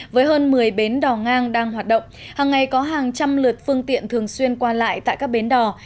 với hơn một mươi bến đỏ ngang đang hoạt động hàng ngày có hàng trăm lượt phương tiện thường xuyên qua lại tại các bến đỏ